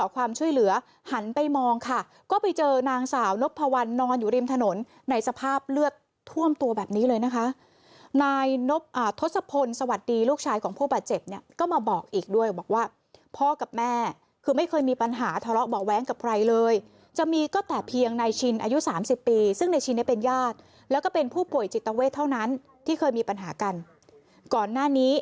ความช่วยเหลือหันไปมองค่ะก็ไปเจอนางสาวนพวันนอนอยู่ริมถนนในสภาพเลือดท่วมตัวแบบนี้เลยนะคะนายทศพลสวัสดีลูกชายของผู้บาดเจ็บเนี่ยก็มาบอกอีกด้วยบอกว่าพ่อกับแม่คือไม่เคยมีปัญหาทะเลาะเบาะแว้งกับใครเลยจะมีก็แต่เพียงนายชินอายุสามสิบปีซึ่งในชินเนี่ยเป็นญาติแล้วก็เป็นผู้ป่วยจิตเวทเท่านั้นที่เคยมีปัญหากันก่อนหน้านี้